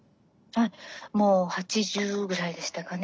あっもう８０ぐらいでしたかね。